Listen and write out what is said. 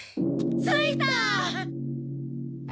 着いた！